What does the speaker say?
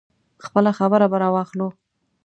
خپله خبره به راواخلو.